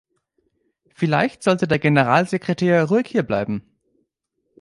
Vielleicht sollte der Generalsekretär ruhig hierbleiben.